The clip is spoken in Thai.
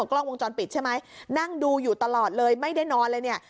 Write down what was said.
กล้องวงจรปิดใช่ไหมนั่งดูอยู่ตลอดเลยไม่ได้นอนเลยเนี่ย